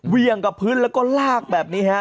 เวียงกับพื้นแล้วก็ลากแบบนี้ฮะ